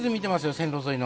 線路沿いの。